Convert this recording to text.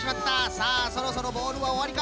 さあそろそろボールはおわりか？